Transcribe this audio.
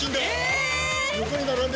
横に並んで。